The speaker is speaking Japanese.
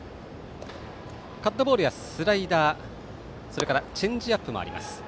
カットボールやスライダーチェンジアップもあります。